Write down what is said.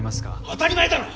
当たり前だろ！